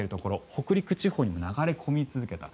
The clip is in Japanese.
北陸地方に流れ込み続けた。